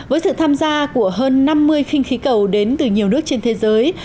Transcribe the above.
với sự tham gia của hơn năm mươi khinh khí cầu đến từ nhiều nước trên thế giới